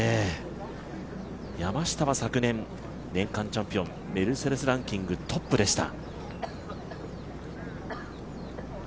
山下は昨年、年間チャンピオン、メルセデスランキングはトップでした。